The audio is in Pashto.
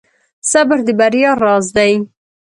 • صبر د بریا راز دی.